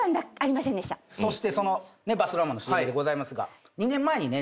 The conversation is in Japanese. そしてそのバスロマンのＣＭでございますが。